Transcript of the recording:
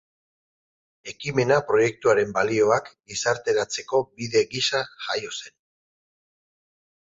Ekimena proiektuaren balioak gizarteratzeko bide gisa jaio zen.